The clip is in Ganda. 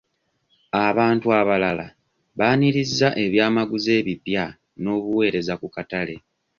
Abantu abalala baanirizza eby'amaguzi ebipya n'obuweereza ku katale.